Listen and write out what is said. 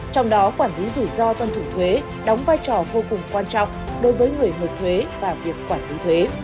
trong đó quản lý rủi ro tuân thủ thuế đóng vai trò vô cùng quan trọng đối với người nộp thuế và việc quản lý thuế